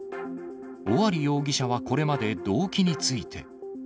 尾張容疑者はこれまで動機について。